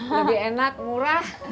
lebih enak murah